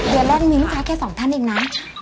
เดือนแรกมีลูกค้าแค่สองท่านเองนะ